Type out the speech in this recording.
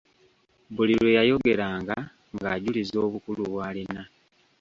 Buli lwe yayogeranga ng'ajuliza obukulu bw'alina.